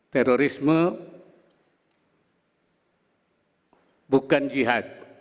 terorisme bukan jihad